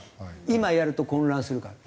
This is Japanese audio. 今やると混乱するから。